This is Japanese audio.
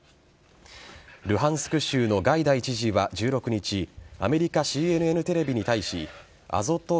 ルハンスク州のガイダイ知事は１６日アメリカ・ＣＮＮテレビに対しアゾト